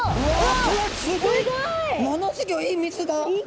ものすギョい水が。